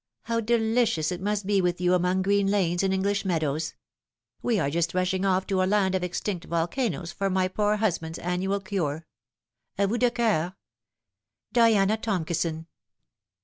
How delicious it must be with you among green lanes and English meadows ! We are just rushing off to a land of extinct volcanoes for my poor husband's annual cure. A vous de cosur, DIANA TOMKISON."